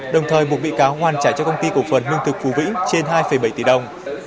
đồng thời buộc bị cáo ngoan trả cho công ty cổ phần nương thực phú vĩnh trên hai bảy tỷ đồng